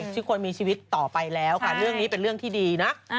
ที่ควรมีชีวิตต่อไปแล้วค่ะเรื่องนี้เป็นเรื่องที่ดีนะ